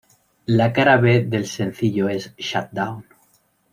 La cara B del sencillo es "Shut Down".